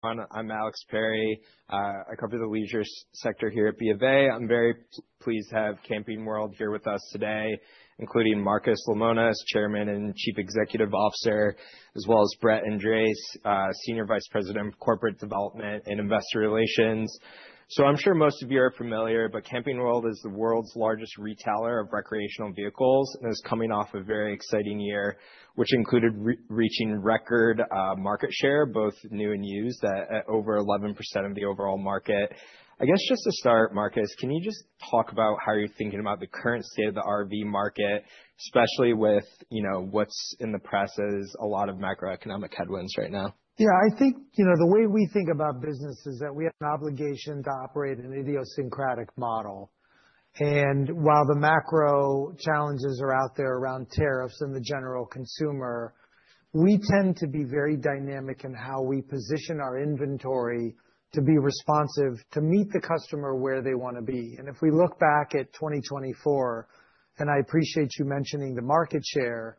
I'm Alex Perry, covering in the leisure sector here at BofA. I'm very pleased to have Camping World here with us today, including Marcus Lemonis, Chairman and Chief Executive Officer, as well as Brett Andress, Senior Vice President of Corporate Development and Investor Relations. I'm sure most of you are familiar, but Camping World is the world's largest retailer of recreational vehicles and is coming off a very exciting year, which included reaching record market share, both new and used, at over 11% of the overall market. I guess just to start, Marcus, can you just talk about how you're thinking about the current state of the RV market, especially with, you know, what's in the press as a lot of macroeconomic headwinds right now? Yeah, I think, you know, the way we think about business is that we have an obligation to operate in an idiosyncratic model. While the macro challenges are out there around tariffs and the general consumer, we tend to be very dynamic in how we position our inventory to be responsive to meet the customer where they want to be. If we look back at 2024, and I appreciate you mentioning the market share,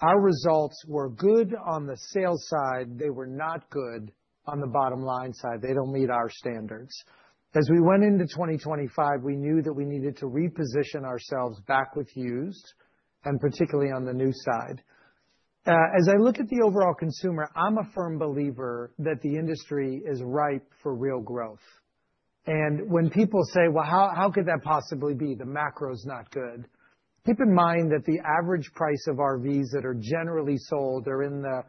our results were good on the sales side. They were not good on the bottom line side. They do not meet our standards. As we went into 2025, we knew that we needed to reposition ourselves back with used, and particularly on the new side. As I look at the overall consumer, I am a firm believer that the industry is ripe for real growth. When people say, well, how could that possibly be? The macros not good. Keep in mind that the average price of RVs that are generally sold, they're in the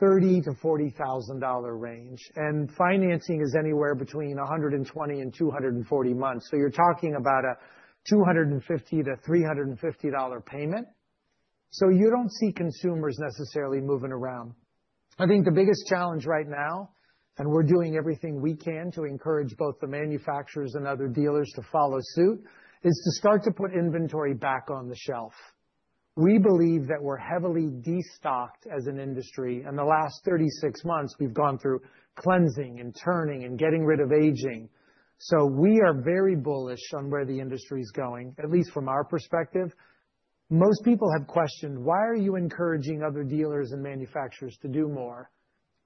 $30,000-$40,000 range, and financing is anywhere between 120 and 240 months. You're talking about a $250-$350 payment. You don't see consumers necessarily moving around. I think the biggest challenge right now, and we're doing everything we can to encourage both the manufacturers and other dealers to follow suit, is to start to put inventory back on the shelf. We believe that we're heavily destocked as an industry, and the last 36 months we've gone through cleansing and turning and getting rid of aging. We are very bullish on where the industry's going, at least from our perspective. Most people have questioned, why are you encouraging other dealers and manufacturers to do more?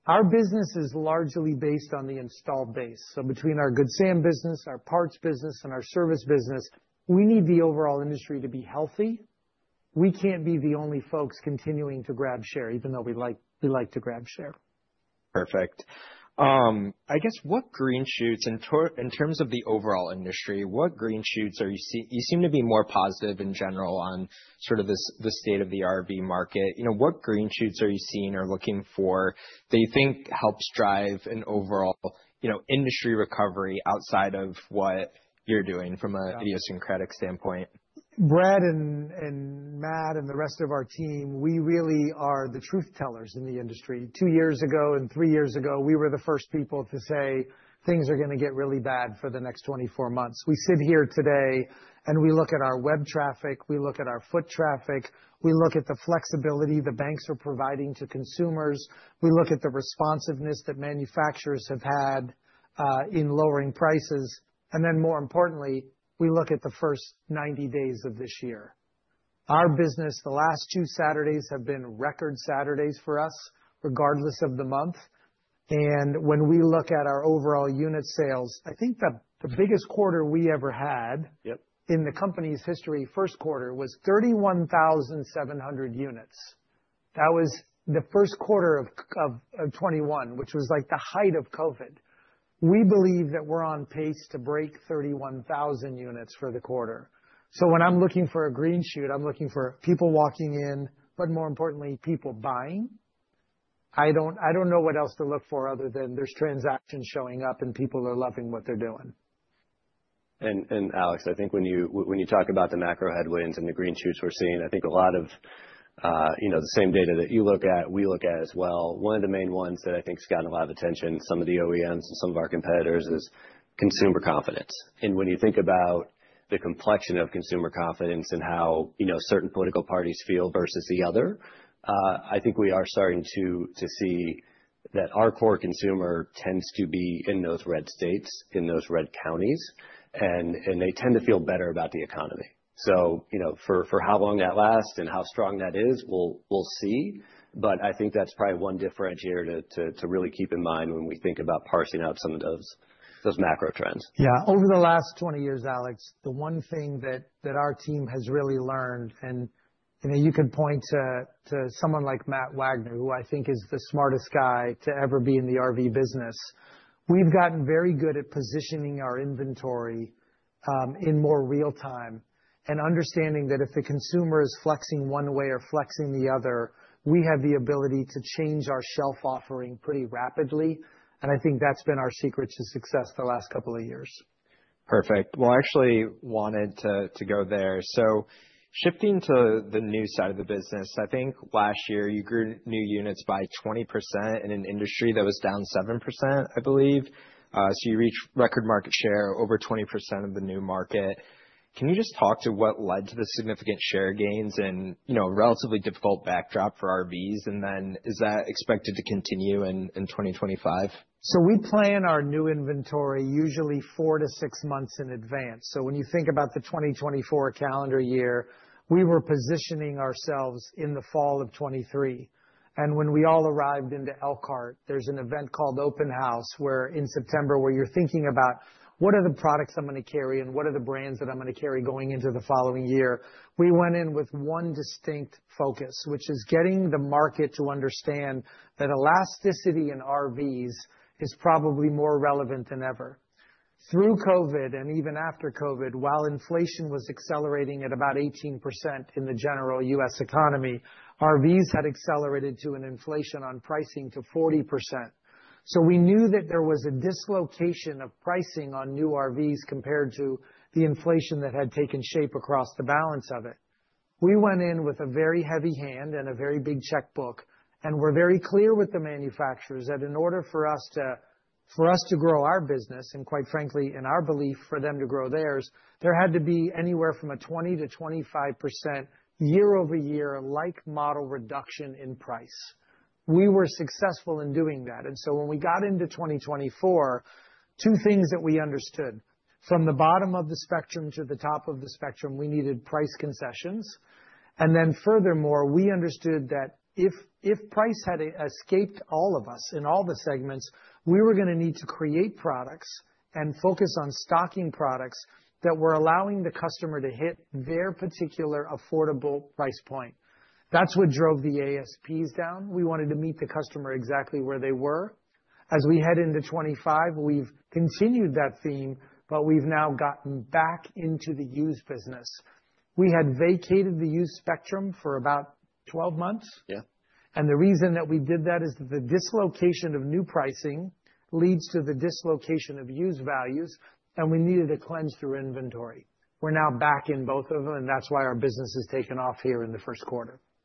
Our business is largely based on the installed base. Between our Good Sam business, our parts business, and our service business, we need the overall industry to be healthy. We can't be the only folks continuing to grab share, even though we like to grab share. Perfect. I guess what green shoots in terms of the overall industry, what green shoots are you seeing? You seem to be more positive in general on sort of the state of the RV market. You know, what green shoots are you seeing or looking for that you think helps drive an overall, you know, industry recovery outside of what you're doing from an idiosyncratic standpoint? Brett and Matt and the rest of our team, we really are the truth tellers in the industry. Two years ago and three years ago, we were the first people to say things are going to get really bad for the next 24 months. We sit here today and we look at our web traffic, we look at our foot traffic, we look at the flexibility the banks are providing to consumers, we look at the responsiveness that manufacturers have had in lowering prices, and then more importantly, we look at the first 90 days of this year. Our business, the last two Saturdays have been record Saturdays for us, regardless of the month. When we look at our overall unit sales, I think that the biggest quarter we ever had in the company's history, Q1, was 31,700 units. That was the Q1 of 2021, which was like the height of COVID. We believe that we're on pace to break 31,000 units for the quarter. When I'm looking for a green shoot, I'm looking for people walking in, but more importantly, people buying. I don't know what else to look for other than there's transactions showing up and people are loving what they're doing. Alex, I think when you talk about the macro headwinds and the green shoots we're seeing, I think a lot of, you know, the same data that you look at, we look at as well. One of the main ones that I think has gotten a lot of attention, some of the OEMs and some of our competitors, is consumer confidence. When you think about the complexion of consumer confidence and how, you know, certain political parties feel versus the other, I think we are starting to see that our core consumer tends to be in those red states, in those red counties, and they tend to feel better about the economy. For how long that lasts and how strong that is, we'll see. I think that's probably one differentiator to really keep in mind when we think about parsing out some of those macro trends. Yeah, over the last 20 years, Alex, the one thing that our team has really learned, and you know, you could point to someone like Matt Wagner, who I think is the smartest guy to ever be in the RV business, we've gotten very good at positioning our inventory in more real time and understanding that if the consumer is flexing one way or flexing the other, we have the ability to change our shelf offering pretty rapidly. I think that's been our secret to success the last couple of years. Perfect. I actually wanted to go there. Shifting to the new side of the business, I think last year you grew new units by 20% in an industry that was down 7%, I believe. You reached record market share, over 20% of the new market. Can you just talk to what led to the significant share gains and, you know, a relatively difficult backdrop for RVs? Is that expected to continue in 2025? We plan our new inventory usually four to six months in advance. When you think about the 2024 calendar year, we were positioning ourselves in the fall of 2023. When we all arrived into Elkhart, there is an event called Open House in September, where you are thinking about what are the products I am going to carry and what are the brands that I am going to carry going into the following year. We went in with one distinct focus, which is getting the market to understand that elasticity in RVs is probably more relevant than ever. Through COVID and even after COVID, while inflation was accelerating at about 18% in the general U.S. economy, RVs had accelerated to an inflation on pricing to 40%. We knew that there was a dislocation of pricing on new RVs compared to the inflation that had taken shape across the balance of it. We went in with a very heavy hand and a very big checkbook and were very clear with the manufacturers that in order for us to grow our business, and quite frankly, in our belief for them to grow theirs, there had to be anywhere from a 20%-25% year-over-year like model reduction in price. We were successful in doing that. When we got into 2024, two things that we understood. From the bottom of the spectrum to the top of the spectrum, we needed price concessions. Furthermore, we understood that if price had escaped all of us in all the segments, we were going to need to create products and focus on stocking products that were allowing the customer to hit their particular affordable price point. That is what drove the ASPs down. We wanted to meet the customer exactly where they were. As we head into 2025, we have continued that theme, but we have now gotten back into the used business. We had vacated the used spectrum for about 12 months. Yeah, and the reason that we did that is that the dislocation of new pricing leads to the dislocation of used values, and we needed to cleanse through inventory. We are now back in both of them, and that is why our business has taken off here in the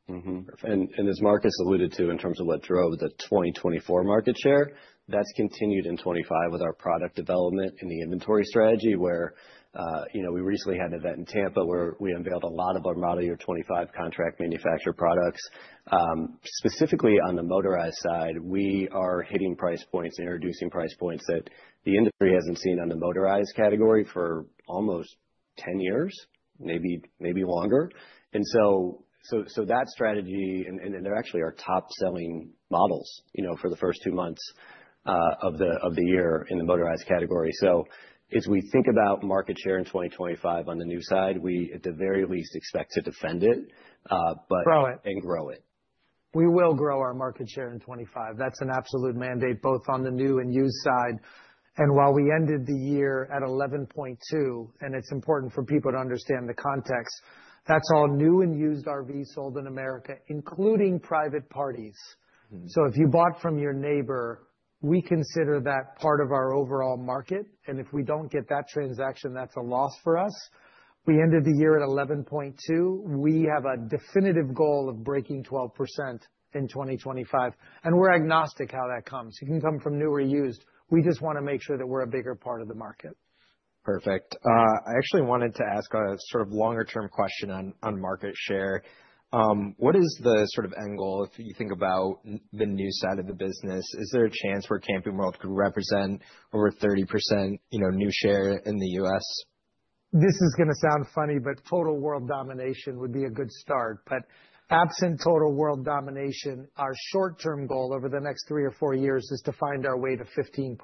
Q1. As Marcus alluded to, in terms of what drove the 2024 market share, that has continued in 2025 with our product development and the inventory strategy where, you know, we recently had an event in Tampa where we unveiled a lot of our model year 2025 contract manufactured products. Specifically on the motorized side, we are hitting price points and introducing price points that the industry has not seen on the motorized category for almost 10 years, maybe longer. That strategy, and they are actually our top selling models, you know, for the first two months of the year in the motorized category. As we think about market share in 2025 on the new side, we at the very least expect to defend it, but. Grow it. Grow it. We will grow our market share in 2025. That's an absolute mandate both on the new and used side. While we ended the year at 11.2%, and it's important for people to understand the context, that's all new and used RVs sold in America, including private parties. If you bought from your neighbor, we consider that part of our overall market. If we do not get that transaction, that's a loss for us. We ended the year at 11.2%. We have a definitive goal of breaking 12% in 2025. We are agnostic how that comes. It can come from new or used. We just want to make sure that we're a bigger part of the market. Perfect. I actually wanted to ask a sort of longer-term question on market share. What is the sort of end goal if you think about the new side of the business? Is there a chance where Camping World could represent over 30%, you know, new share in the U.S.? This is going to sound funny, but total world domination would be a good start. Absent total world domination, our short-term goal over the next three or four years is to find our way to 15%.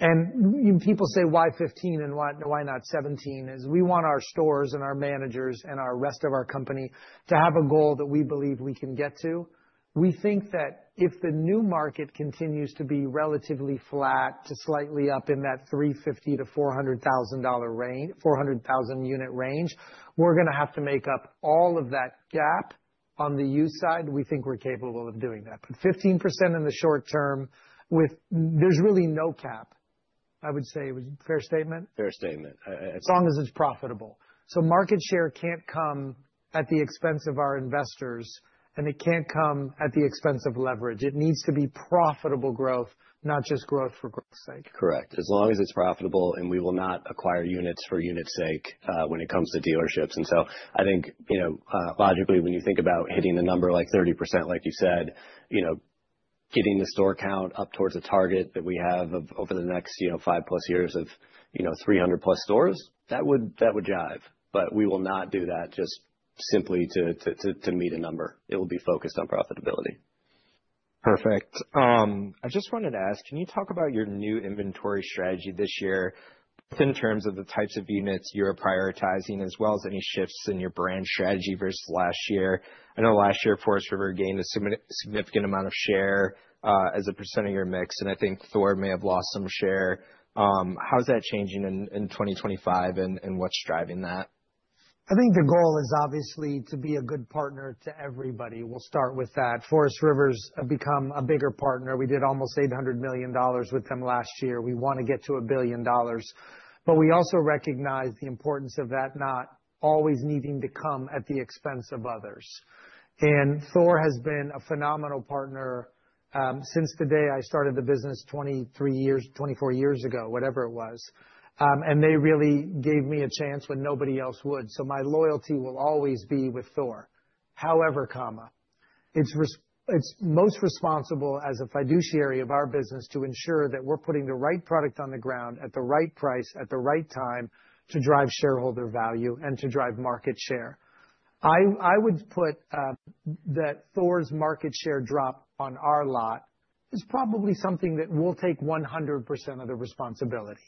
People say, why 15 and why not 17? We want our stores and our managers and the rest of our company to have a goal that we believe we can get to. We think that if the new market continues to be relatively flat to slightly up in that 350,000-400,000 unit range, we're going to have to make up all of that gap on the used side. We think we're capable of doing that. Fifteen percent in the short term, there's really no cap. I would say it was a fair statement. Fair statement. As long as it's profitable. Market share can't come at the expense of our investors, and it can't come at the expense of leverage. It needs to be profitable growth, not just growth for growth's sake. Correct. As long as it's profitable, and we will not acquire units for unit's sake when it comes to dealerships. I think, you know, logically, when you think about hitting the number like 30%, like you said, you know, getting the store count up towards a target that we have over the next, you know, five plus years of, you know, 300 plus stores, that would jive. We will not do that just simply to meet a number. It will be focused on profitability. Perfect. I just wanted to ask, can you talk about your new inventory strategy this year in terms of the types of units you're prioritizing, as well as any shifts in your brand strategy versus last year? I know last year Forest River gained a significant amount of share as a percent of your mix, and I think Thor may have lost some share. How's that changing in 2025 and what's driving that? I think the goal is obviously to be a good partner to everybody. We'll start with that. Forest River's become a bigger partner. We did almost $800 million with them last year. We want to get to a billion dollars, but we also recognize the importance of that not always needing to come at the expense of others. Thor has been a phenomenal partner since the day I started the business 23 years, 24 years ago, whatever it was. They really gave me a chance when nobody else would. My loyalty will always be with Thor. However, it's most responsible as a fiduciary of our business to ensure that we're putting the right product on the ground at the right price, at the right time to drive shareholder value and to drive market share. I would put that Thor's market share drop on our lot is probably something that will take 100% of the responsibility.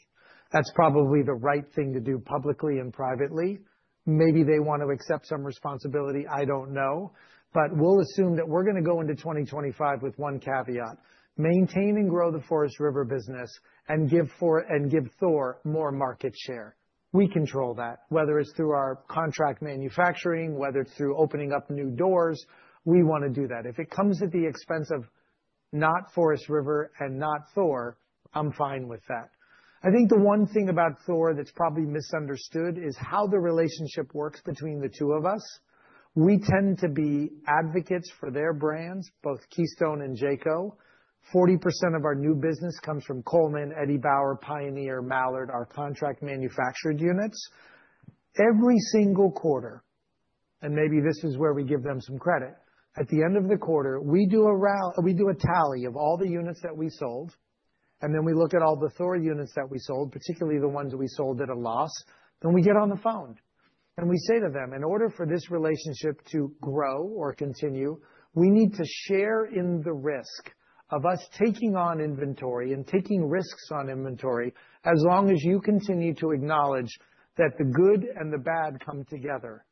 That's probably the right thing to do publicly and privately. Maybe they want to accept some responsibility. I don't know. We'll assume that we're going to go into 2025 with one caveat: maintain and grow the Forest River business and give Thor more market share. We control that, whether it's through our contract manufacturing, whether it's through opening up new doors. We want to do that. If it comes at the expense of not Forest River and not Thor, I'm fine with that. I think the one thing about Thor that's probably misunderstood is how the relationship works between the two of us. We tend to be advocates for their brands, both Keystone and Jayco. 40% of our new business comes from Coleman, Eddie Bauer, Pioneer, Mallard, our contract manufactured units. Every single quarter, and maybe this is where we give them some credit, at the end of the quarter, we do a tally of all the units that we sold, and then we look at all the Thor units that we sold, particularly the ones we sold at a loss. We get on the phone. We say to them, in order for this relationship to grow or continue, we need to share in the risk of us taking on inventory and taking risks on inventory as long as you continue to acknowledge that the good and the bad come together.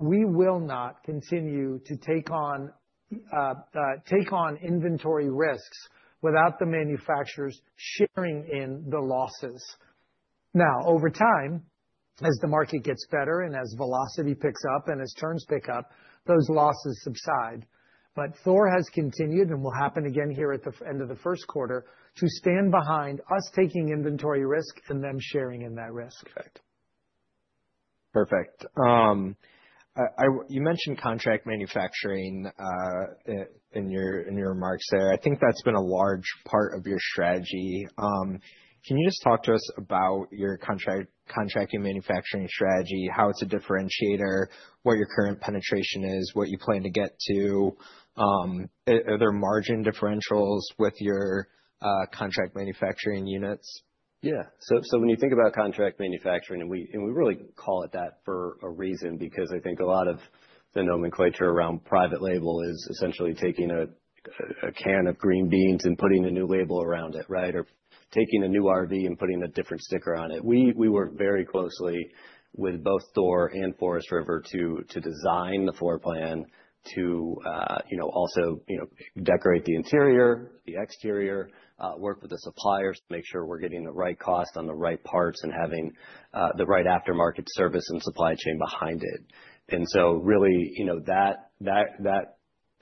We will not continue to take on inventory risks without the manufacturers sharing in the losses. Now, over time, as the market gets better and as velocity picks up and as terms pick up, those losses subside. Thor has continued and will happen again here at the end of the Q1 to stand behind us taking inventory risk and them sharing in that risk. Perfect. You mentioned contract manufacturing in your remarks there. I think that's been a large part of your strategy. Can you just talk to us about your contract manufacturing strategy, how it's a differentiator, what your current penetration is, what you plan to get to, are there margin differentials with your contract manufacturing units? Yeah. When you think about contract manufacturing, and we really call it that for a reason, because I think a lot of the nomenclature around private label is essentially taking a can of green beans and putting a new label around it, right? Or taking a new RV and putting a different sticker on it. We work very closely with both Thor and Forest River to design the floor plan, to, you know, also, you know, decorate the interior, the exterior, work with the suppliers to make sure we're getting the right cost on the right parts and having the right aftermarket service and supply chain behind it. That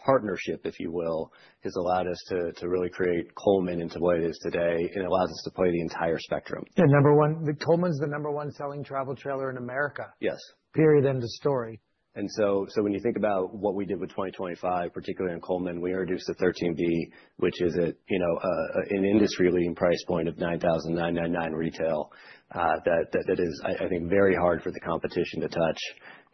partnership, if you will, has allowed us to really create Coleman into what it is today and allows us to play the entire spectrum. Number one, Coleman's the number one selling travel trailer in America. Yes. Period. End of story. When you think about what we did with 2025, particularly on Coleman, we introduced the 13B, which is at, you know, an industry-leading price point of $9,999 retail that is, I think, very hard for the competition to touch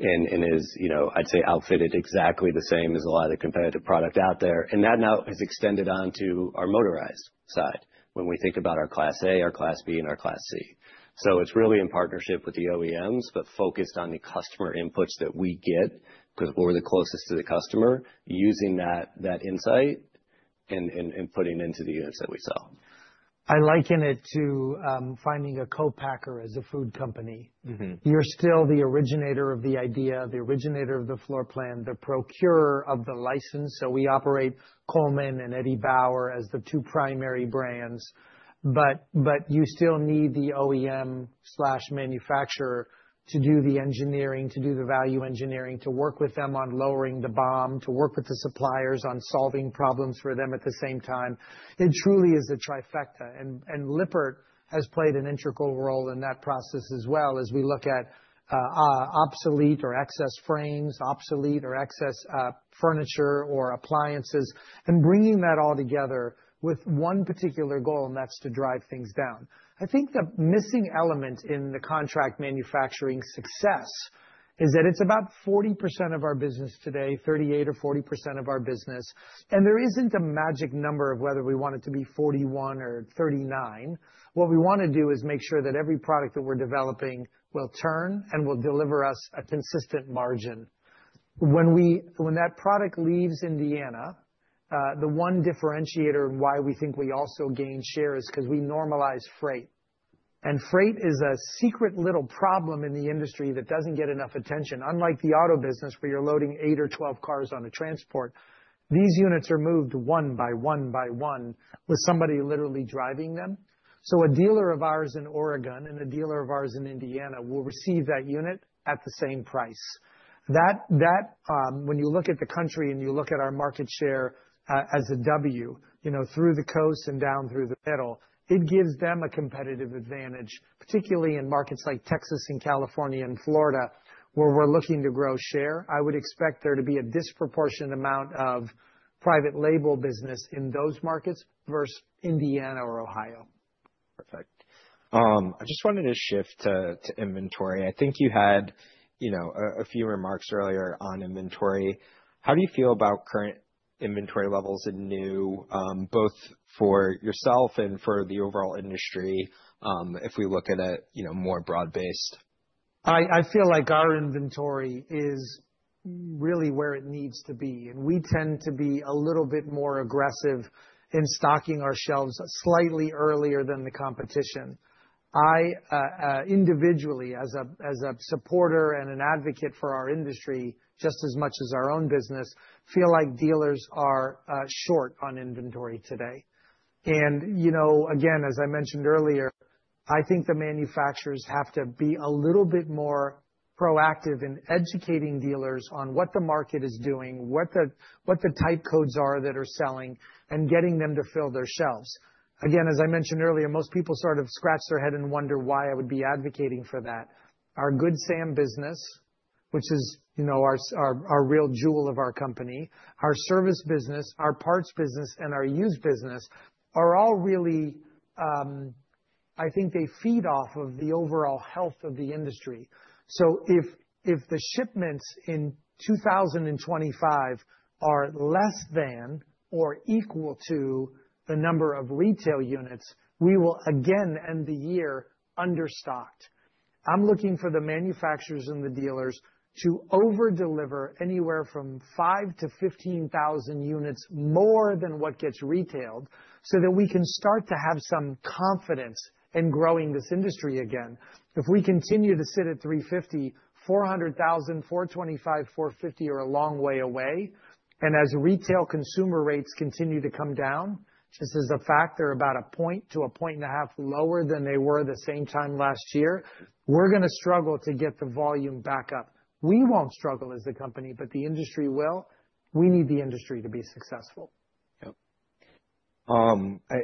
and is, you know, I'd say outfitted exactly the same as a lot of the competitive product out there. That now has extended onto our motorized side when we think about our Class A, our Class B, and our Class C. It is really in partnership with the OEMs, but focused on the customer inputs that we get because we're the closest to the customer using that insight and putting into the units that we sell. I liken it to finding a co-packer as a food company. You're still the originator of the idea, the originator of the floor plan, the procurer of the license. We operate Coleman and Eddie Bauer as the two primary brands. You still need the OEM/manufacturer to do the engineering, to do the value engineering, to work with them on lowering the BOM, to work with the suppliers on solving problems for them at the same time. It truly is a trifecta. Lippert has played an integral role in that process as well as we look at obsolete or excess frames, obsolete or excess furniture or appliances, and bringing that all together with one particular goal, and that's to drive things down. I think the missing element in the contract manufacturing success is that it's about 40% of our business today, 38% or 40% of our business. There isn't a magic number of whether we want it to be 41 or 39. What we want to do is make sure that every product that we're developing will turn and will deliver us a consistent margin. When that product leaves Indiana, the one differentiator in why we think we also gain share is because we normalize freight. Freight is a secret little problem in the industry that doesn't get enough attention. Unlike the auto business, where you're loading 8 or 12 cars on a transport, these units are moved one by one by one with somebody literally driving them. A dealer of ours in Oregon and a dealer of ours in Indiana will receive that unit at the same price. When you look at the country and you look at our market share as a W, you know, through the coast and down through the middle, it gives them a competitive advantage, particularly in markets like Texas and California and Florida, where we're looking to grow share. I would expect there to be a disproportionate amount of private label business in those markets versus Indiana or Ohio. Perfect. I just wanted to shift to inventory. I think you had, you know, a few remarks earlier on inventory. How do you feel about current inventory levels and new, both for yourself and for the overall industry if we look at it, you know, more broad-based? I feel like our inventory is really where it needs to be. We tend to be a little bit more aggressive in stocking our shelves slightly earlier than the competition. I individually, as a supporter and an advocate for our industry, just as much as our own business, feel like dealers are short on inventory today. You know, again, as I mentioned earlier, I think the manufacturers have to be a little bit more proactive in educating dealers on what the market is doing, what the type codes are that are selling, and getting them to fill their shelves. Again, as I mentioned earlier, most people sort of scratch their head and wonder why I would be advocating for that. Our Good Sam business, which is, you know, our real jewel of our company, our service business, our parts business, and our used business are all really, I think they feed off of the overall health of the industry. If the shipments in 2025 are less than or equal to the number of retail units, we will again end the year understocked. I'm looking for the manufacturers and the dealers to overdeliver anywhere from 5,000-15,000 units more than what gets retailed so that we can start to have some confidence in growing this industry again. If we continue to sit at 350,000, 400,000, 425,000, 450,000 are a long way away. As retail consumer rates continue to come down, just as a factor about a point to a point and a half lower than they were the same time last year, we're going to struggle to get the volume back up. We won't struggle as the company, but the industry will. We need the industry to be successful. Yep.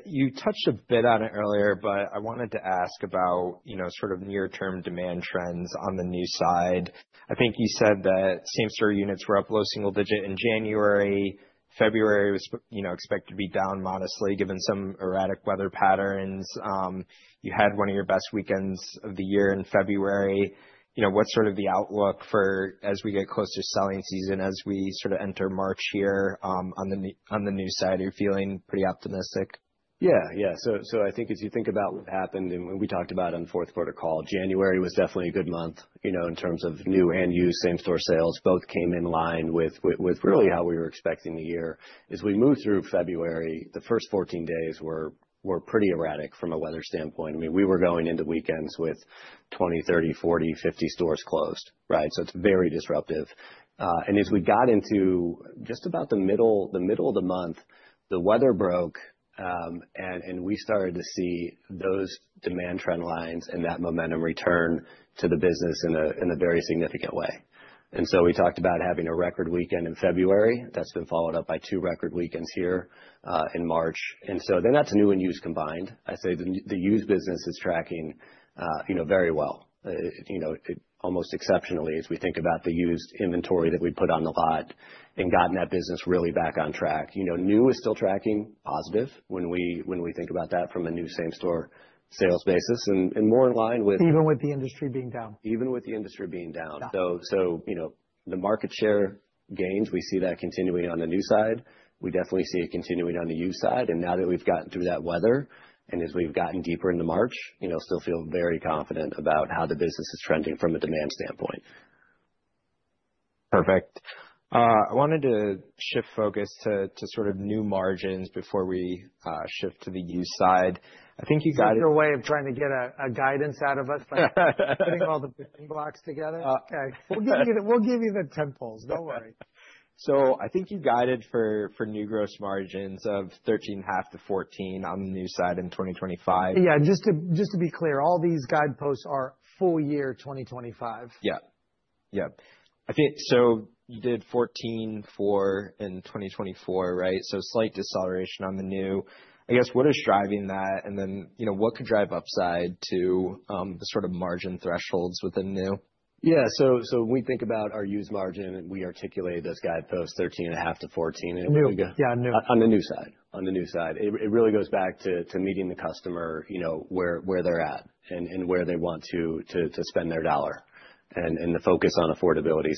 You touched a bit on it earlier, but I wanted to ask about, you know, sort of near-term demand trends on the new side. I think you said that same store units were up low single digit in January. February was, you know, expected to be down modestly given some erratic weather patterns. You had one of your best weekends of the year in February. You know, what's sort of the outlook for as we get closer to selling season, as we sort of enter March here on the new side, are you feeling pretty optimistic? Yeah, yeah. I think as you think about what happened and when we talked about it on the Q4 call, January was definitely a good month, you know, in terms of new and used same store sales, both came in line with really how we were expecting the year. As we moved through February, the first 14 days were pretty erratic from a weather standpoint. I mean, we were going into weekends with 20, 30, 40, 50 stores closed, right? It is very disruptive. As we got into just about the middle of the month, the weather broke and we started to see those demand trend lines and that momentum return to the business in a very significant way. We talked about having a record weekend in February. That has been followed up by two record weekends here in March. That is new and used combined. I say the used business is tracking, you know, very well, you know, almost exceptionally as we think about the used inventory that we put on the lot and gotten that business really back on track. You know, new is still tracking positive when we think about that from a new same store sales basis and more in line with. Even with the industry being down. Even with the industry being down, you know, the market share gains, we see that continuing on the new side. We definitely see it continuing on the used side. Now that we've gotten through that weather and as we've gotten deeper into March, you know, still feel very confident about how the business is trending from a demand standpoint. Perfect. I wanted to shift focus to sort of new margins before we shift to the used side. I think you got it. Is there a way of trying to get a guidance out of us by putting all the building blocks together? Okay. We'll give you the temples. Don't worry. I think you guided for new gross margins of 13.5-14% on the new side in 2025. Yeah. Just to be clear, all these guideposts are full year 2025. Yeah. Yeah. I think so you did 14, 4 in 2024, right? So slight deceleration on the new. I guess what is driving that? And then, you know, what could drive upside to the sort of margin thresholds with the new? Yeah. So when we think about our used margin, we articulate this guidepost 13.5-14. New. Yeah, new. On the new side. On the new side. It really goes back to meeting the customer, you know, where they're at and where they want to spend their dollar and the focus on affordability.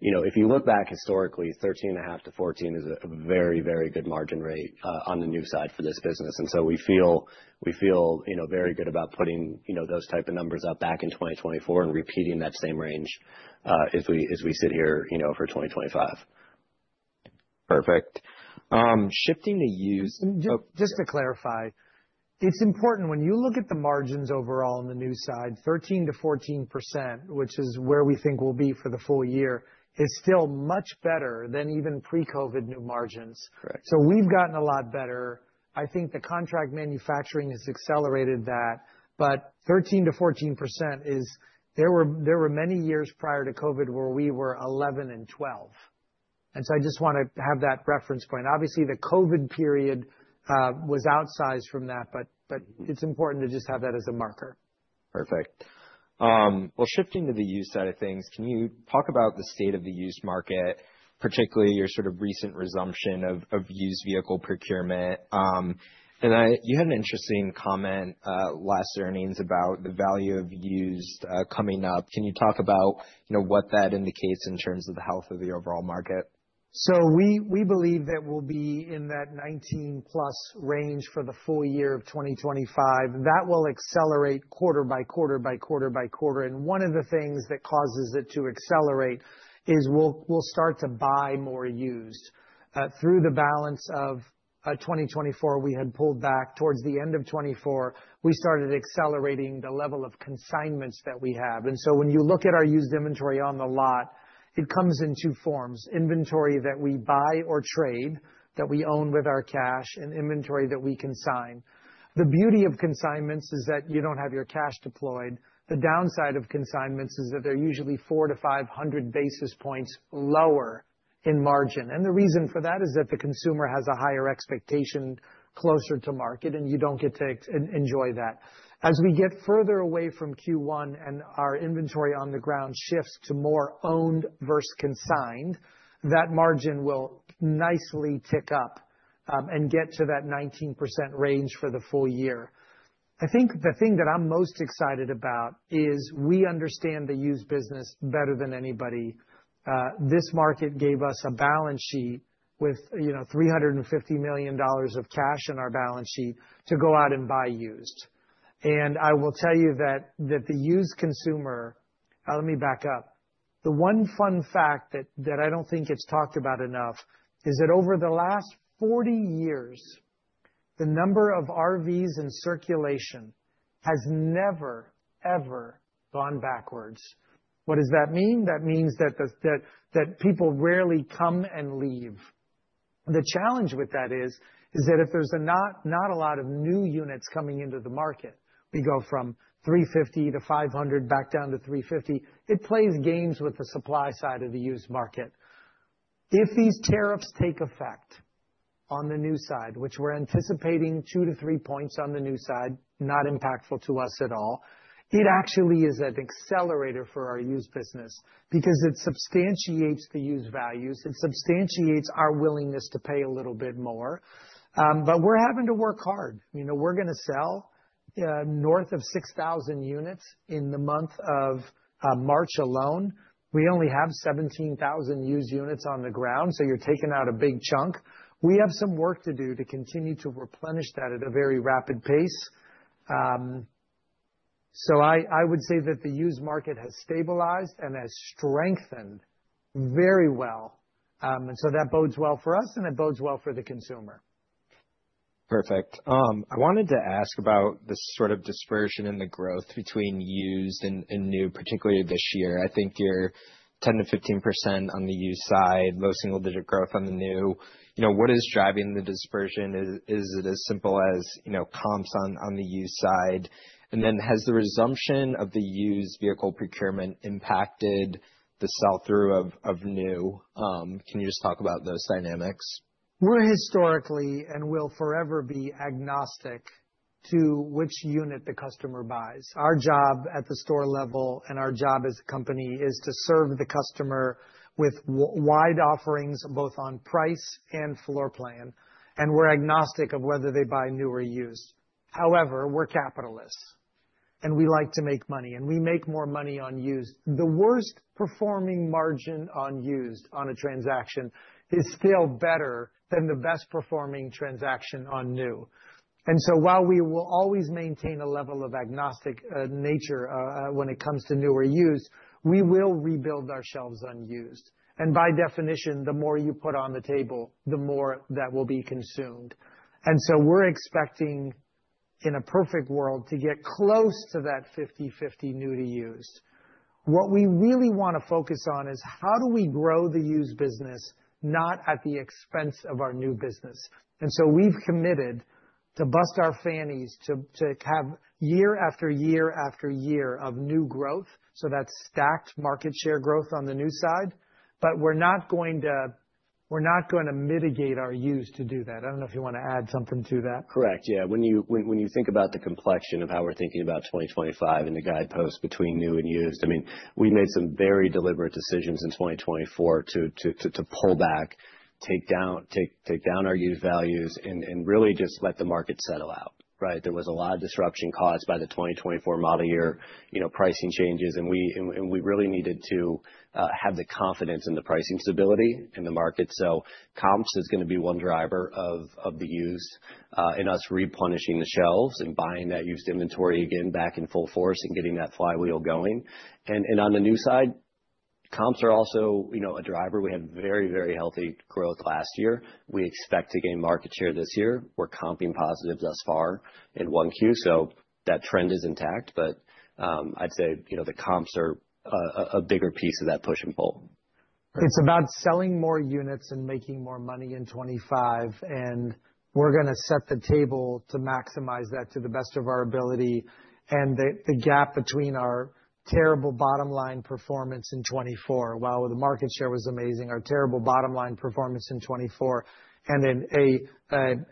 You know, if you look back historically, 13.5-14% is a very, very good margin rate on the new side for this business. We feel, you know, very good about putting, you know, those type of numbers up back in 2024 and repeating that same range as we sit here, you know, for 2025. Perfect. Shifting to use. Just to clarify, it's important when you look at the margins overall on the new side, 13-14%, which is where we think we'll be for the full year, is still much better than even pre-COVID new margins. So we've gotten a lot better. I think the contract manufacturing has accelerated that. But 13-14% is there were many years prior to COVID where we were 11 and 12. And so I just want to have that reference point. Obviously, the COVID period was outsized from that, but it's important to just have that as a marker. Perfect. Shifting to the used side of things, can you talk about the state of the used market, particularly your sort of recent resumption of used vehicle procurement? You had an interesting comment last earnings about the value of used coming up. Can you talk about, you know, what that indicates in terms of the health of the overall market? We believe that we'll be in that 19-plus range for the full year of 2025. That will accelerate quarter by quarter by quarter by quarter. One of the things that causes it to accelerate is we'll start to buy more used. Through the balance of 2024, we had pulled back towards the end of 2024, we started accelerating the level of consignments that we have. When you look at our used inventory on the lot, it comes in two forms: inventory that we buy or trade that we own with our cash and inventory that we consign. The beauty of consignments is that you don't have your cash deployed. The downside of consignments is that they're usually 400 to 500 basis points lower in margin. The reason for that is that the consumer has a higher expectation closer to market, and you do not get to enjoy that. As we get further away from Q1 and our inventory on the ground shifts to more owned versus consigned, that margin will nicely tick up and get to that 19% range for the full year. I think the thing that I am most excited about is we understand the used business better than anybody. This market gave us a balance sheet with, you know, $350 million of cash in our balance sheet to go out and buy used. I will tell you that the used consumer, let me backup. The one fun fact that I do not think is talked about enough is that over the last 40 years, the number of RVs in circulation has never, ever gone backwards. What does that mean? That means that people rarely come and leave. The challenge with that is that if there's not a lot of new units coming into the market, we go from 350 to 500 back down to 350. It plays games with the supply side of the used market. If these tariffs take effect on the new side, which we're anticipating 2-3 points on the new side, not impactful to us at all, it actually is an accelerator for our used business because it substantiates the used values. It substantiates our willingness to pay a little bit more. You know, we're going to sell north of 6,000 units in the month of March alone. We only have 17,000 used units on the ground. You're taking out a big chunk. We have some work to do to continue to replenish that at a very rapid pace. I would say that the used market has stabilized and has strengthened very well. That bodes well for us and it bodes well for the consumer. Perfect. I wanted to ask about the sort of dispersion in the growth between used and new, particularly this year. I think you're 10-15% on the used side, low single digit growth on the new. You know, what is driving the dispersion? Is it as simple as, you know, comps on the used side? And then has the resumption of the used vehicle procurement impacted the sell-through of new? Can you just talk about those dynamics? We're historically and will forever be agnostic to which unit the customer buys. Our job at the store level and our job as a company is to serve the customer with wide offerings both on price and floor plan. We're agnostic of whether they buy new or used. However, we're capitalists and we like to make money. We make more money on used. The worst performing margin on used on a transaction is still better than the best performing transaction on new. While we will always maintain a level of agnostic nature when it comes to new or used, we will rebuild our shelves on used. By definition, the more you put on the table, the more that will be consumed. We're expecting in a perfect world to get close to that 50/50 new to used. What we really want to focus on is how do we grow the used business, not at the expense of our new business. We have committed to bust our fannies to have year after year after year of new growth. That is stacked market share growth on the new side. We are not going to mitigate our used to do that. I do not know if you want to add something to that. Correct. Yeah. When you think about the complexion of how we're thinking about 2025 and the guideposts between new and used, I mean, we made some very deliberate decisions in 2024 to pull back, take down our used values and really just let the market settle out, right? There was a lot of disruption caused by the 2024 model year, you know, pricing changes. We really needed to have the confidence in the pricing stability in the market. Comps is going to be one driver of the used and us replenishing the shelves and buying that used inventory again back in full force and getting that flywheel going. On the new side, comps are also, you know, a driver. We had very, very healthy growth last year. We expect to gain market share this year. We're comping positive thus far in 1Q. That trend is intact. I'd say, you know, the comps are a bigger piece of that push and pull. It's about selling more units and making more money in 2025. We are going to set the table to maximize that to the best of our ability. The gap between our terrible bottom line performance in 2024, while the market share was amazing, our terrible bottom line performance in 2024, and an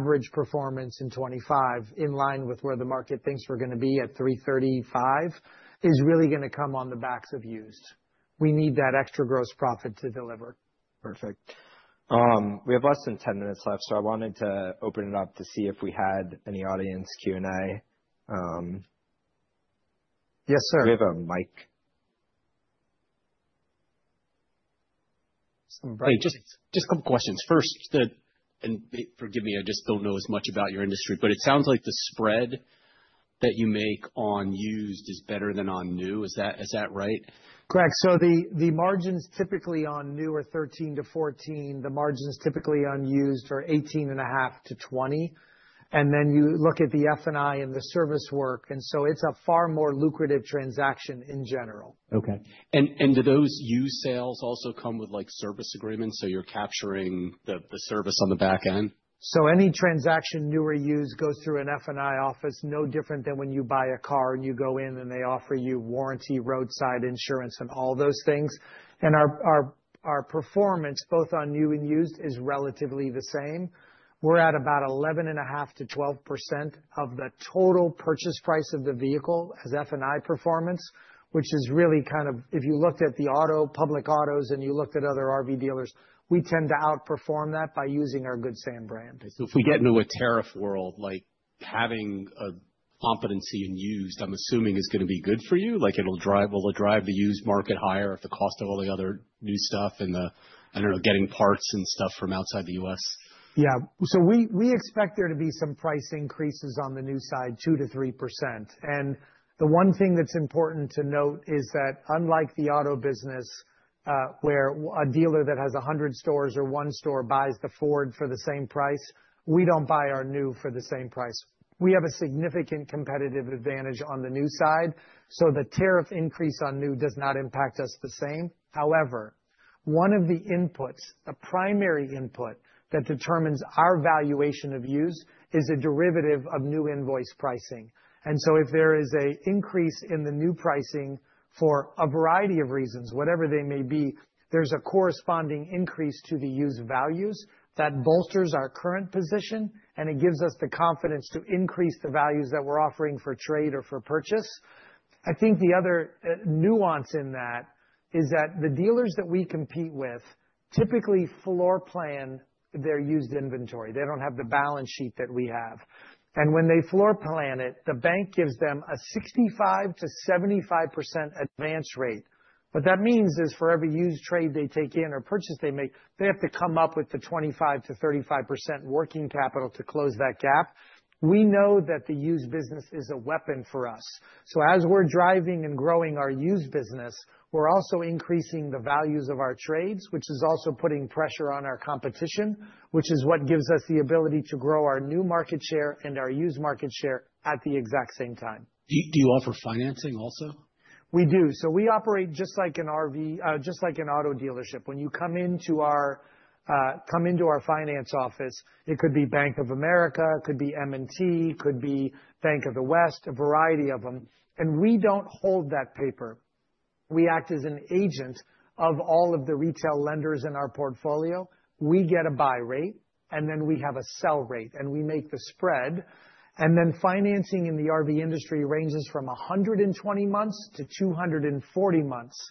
average performance in 2025 in line with where the market thinks we are going to be at $335 is really going to come on the backs of used. We need that extra gross profit to deliver. Perfect. We have less than 10 minutes left. I wanted to open it up to see if we had any audience Q&A. Yes, sir. Do we have a mic? Just a couple of questions. First, forgive me, I just don't know as much about your industry, but it sounds like the spread that you make on used is better than on new. Is that right? Correct. The margins typically on new are 13-14%. The margins typically on used are 18.5-20%. Then you look at the F&I and the service work. It is a far more lucrative transaction in general. Okay. Do those used sales also come with like service agreements? You are capturing the service on the back end? Any transaction new or used goes through an F&I office, no different than when you buy a car and you go in and they offer you warranty, roadside insurance, and all those things. Our performance both on new and used is relatively the same. We are at about 11.5%-12% of the total purchase price of the vehicle as F&I performance, which is really kind of, if you looked at the auto, public autos, and you looked at other RV dealers, we tend to outperform that by using our Good Sam brand. If we get into a tariff world, like having a competency in used, I'm assuming is going to be good for you? Like it'll drive the used market higher if the cost of all the other new stuff and the, I don't know, getting parts and stuff from outside the U.S. Yeah. We expect there to be some price increases on the new side, 2-3%. The one thing that's important to note is that unlike the auto business, where a dealer that has 100 stores or one store buys the Ford for the same price, we do not buy our new for the same price. We have a significant competitive advantage on the new side. The tariff increase on new does not impact us the same. However, one of the inputs, the primary input that determines our valuation of used, is a derivative of new invoice pricing. If there is an increase in the new pricing for a variety of reasons, whatever they may be, there is a corresponding increase to the used values that bolsters our current position and it gives us the confidence to increase the values that we are offering for trade or for purchase. I think the other nuance in that is that the dealers that we compete with typically floor plan their used inventory. They do not have the balance sheet that we have. When they floor plan it, the bank gives them a 65-75% advance rate. What that means is for every used trade they take in or purchase they make, they have to come up with the 25-35% working capital to close that gap. We know that the used business is a weapon for us. As we're driving and growing our used business, we're also increasing the values of our trades, which is also putting pressure on our competition, which is what gives us the ability to grow our new market share and our used market share at the exact same time. Do you offer financing also? We do. We operate just like an auto dealership. When you come into our finance office, it could be Bank of America, it could be M&T Bank, it could be Bank of the West, a variety of them. We do not hold that paper. We act as an agent of all of the retail lenders in our portfolio. We get a buy rate and then we have a sell rate and we make the spread. Financing in the RV industry ranges from 120 months to 240 months.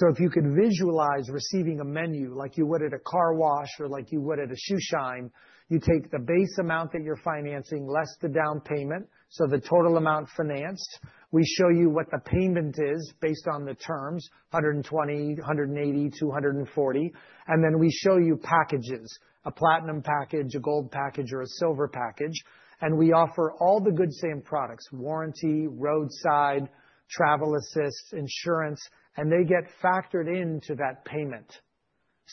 If you could visualize receiving a menu like you would at a car wash or like you would at a shoe shine, you take the base amount that you are financing less the down payment, so the total amount financed. We show you what the payment is based on the terms, 120, 180, 240. We show you packages, a platinum package, a gold package, or a silver package. We offer all the Good Sam products, warranty, roadside, travel assists, insurance, and they get factored into that payment.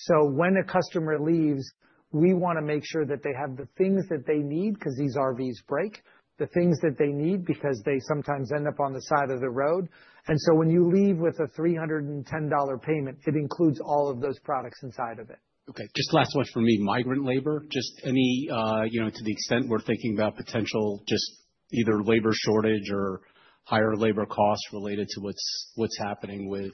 When a customer leaves, we want to make sure that they have the things that they need because these RVs break, the things that they need because they sometimes end up on the side of the road. When you leave with a $310 payment, it includes all of those products inside of it. Okay. Just last one for me. Migrant labor, just any, you know, to the extent we're thinking about potential just either labor shortage or higher labor costs related to what's happening with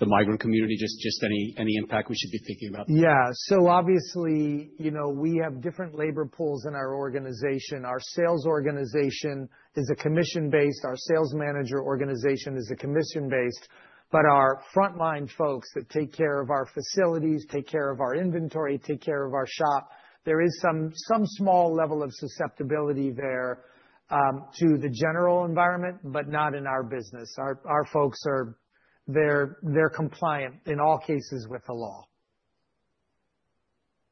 the migrant community, just any impact we should be thinking about? Yeah. Obviously, you know, we have different labor pools in our organization. Our sales organization is commission-based. Our sales manager organization is commission-based. Our frontline folks that take care of our facilities, take care of our inventory, take care of our shop, there is some small level of susceptibility there to the general environment, but not in our business. Our folks, they're compliant in all cases with the law.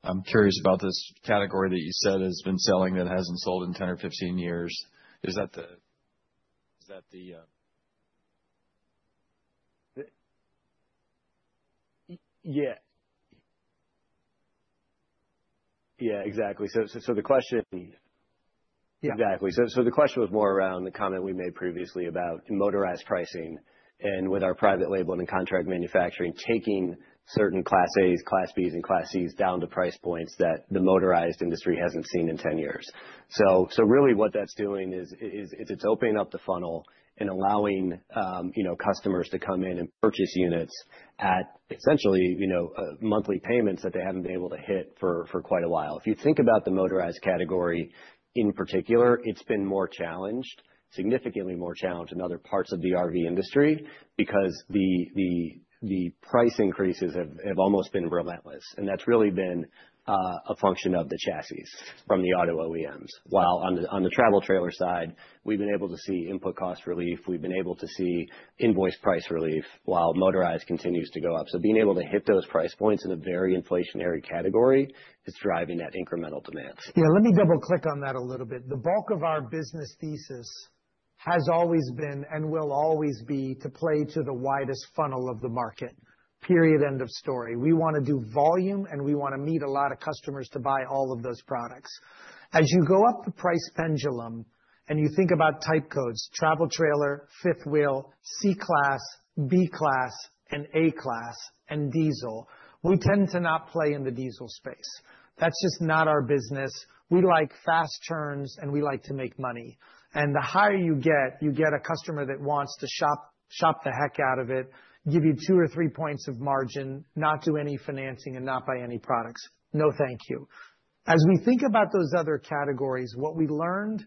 I'm curious about this category that you said has been selling that hasn't sold in 10 or 15 years. Is that the... Yeah. Yeah, exactly. The question... Yeah. Exactly. The question was more around the comment we made previously about motorized pricing and with our private label and contract manufacturing taking certain Class As, Class Bs, and Class Cs down to price points that the motorized industry has not seen in 10 years. What that is doing is it is opening up the funnel and allowing, you know, customers to come in and purchase units at essentially, you know, monthly payments that they have not been able to hit for quite a while. If you think about the motorized category in particular, it has been more challenged, significantly more challenged than other parts of the RV industry because the price increases have almost been relentless. That has really been a function of the chassis from the auto OEMs. While on the travel trailer side, we have been able to see input cost relief. We've been able to see invoice price relief while motorized continues to go up. Being able to hit those price points in a very inflationary category is driving that incremental demands. Yeah. Let me double-click on that a little bit. The bulk of our business thesis has always been and will always be to play to the widest funnel of the market. Period. End of story. We want to do volume and we want to meet a lot of customers to buy all of those products. As you go up the price pendulum and you think about type codes, travel trailer, fifth wheel, C class, B class, and A class, and diesel, we tend to not play in the diesel space. That's just not our business. We like fast turns and we like to make money. The higher you get, you get a customer that wants to shop the heck out of it, give you two or three points of margin, not do any financing, and not buy any products. No, thank you. As we think about those other categories, what we learned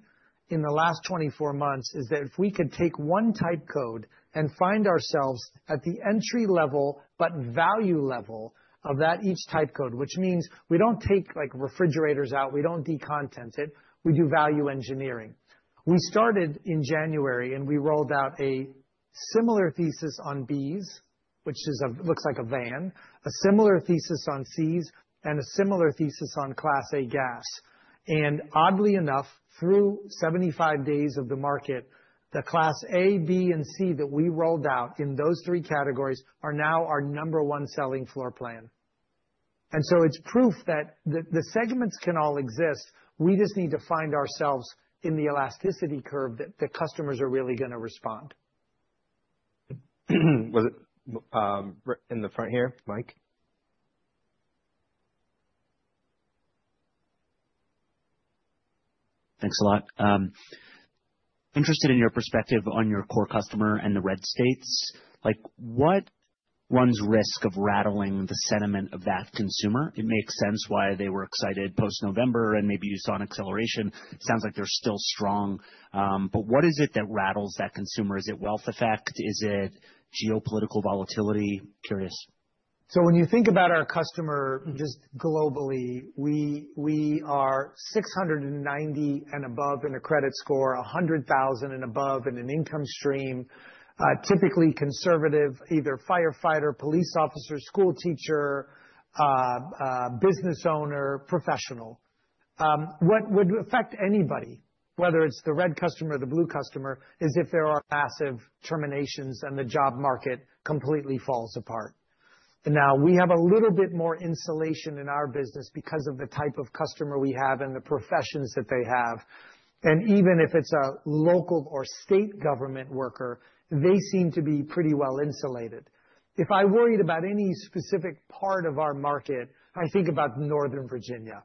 in the last 24 months is that if we could take one type code and find ourselves at the entry level, but value level of that each type code, which means we do not take like refrigerators out, we do not decontent it, we do value engineering. We started in January and we rolled out a similar thesis on Bs, which looks like a van, a similar thesis on Cs, and a similar thesis on Class A gas. Oddly enough, through 75 days of the market, the Class A, B, and C that we rolled out in those three categories are now our number one selling floor plan. It is proof that the segments can all exist. We just need to find ourselves in the elasticity curve that the customers are really going to respond. In the front here, Mike? Thanks a lot. Interested in your perspective on your core customer and the red states. Like what runs risk of rattling the sentiment of that consumer? It makes sense why they were excited post-November and maybe you saw an acceleration. It sounds like they're still strong. What is it that rattles that consumer? Is it wealth effect? Is it geopolitical volatility? Curious. When you think about our customer just globally, we are 690 and above in a credit score, $100,000 and above in an income stream, typically conservative, either firefighter, police officer, school teacher, business owner, professional. What would affect anybody, whether it's the red customer or the blue customer, is if there are massive terminations and the job market completely falls apart. We have a little bit more insulation in our business because of the type of customer we have and the professions that they have. Even if it's a local or state government worker, they seem to be pretty well insulated. If I worried about any specific part of our market, I think about Northern Virginia.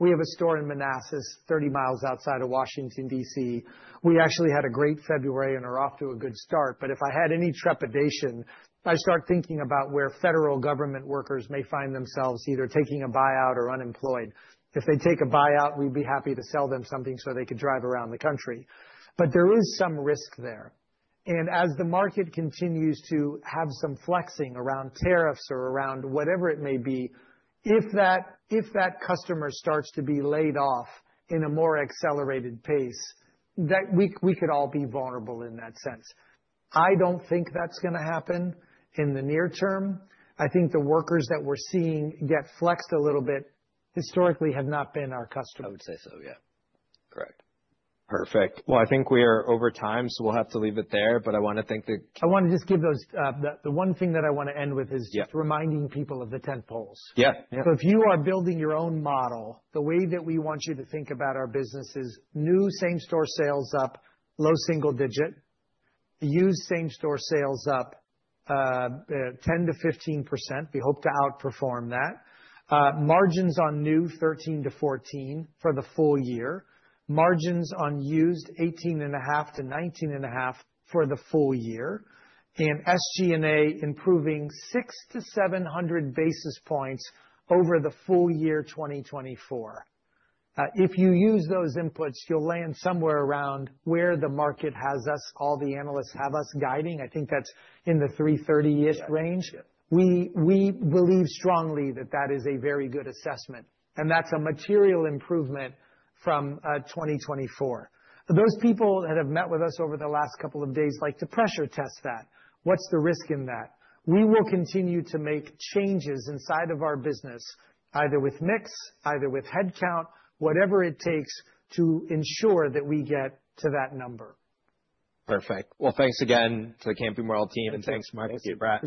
We have a store in Manassas, 30 miles outside of Washington, DC. We actually had a great February and are off to a good start. If I had any trepidation, I start thinking about where federal government workers may find themselves either taking a buyout or unemployed. If they take a buyout, we'd be happy to sell them something so they could drive around the country. There is some risk there. As the market continues to have some flexing around tariffs or around whatever it may be, if that customer starts to be laid off in a more accelerated pace, we could all be vulnerable in that sense. I do not think that is going to happen in the near term. I think the workers that we are seeing get flexed a little bit historically have not been our customers. I would say so, yeah. Correct. Perfect. I think we are over time, so we'll have to leave it there. But I want to thank the... I want to just give those... The one thing that I want to end with is just reminding people of the tent poles. Yeah. If you are building your own model, the way that we want you to think about our business is new same store sales up, low single digit, used same store sales up 10-15%. We hope to outperform that. Margins on new 13-14% for the full year. Margins on used 18.5-19.5% for the full year. SG&A improving 600-700 basis points over the full year 2024. If you use those inputs, you'll land somewhere around where the market has us, all the analysts have us guiding. I think that's in the $330-ish range. We believe strongly that that is a very good assessment. That's a material improvement from 2024. Those people that have met with us over the last couple of days like to pressure test that. What's the risk in that? We will continue to make changes inside of our business, either with mix, either with headcount, whatever it takes to ensure that we get to that number. Perfect. Thanks again to the Camping World team and thanks, Marc and Brett.